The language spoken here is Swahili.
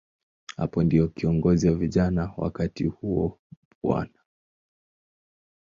Hapo ndipo kiongozi wa vijana wakati huo, Bw.